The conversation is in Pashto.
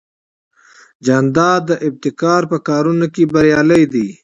جانداد د ابتکار په کارونو کې بریالی دی.